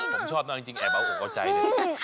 ผมชอบมากจริงแอบเอาอกเอาใจเลย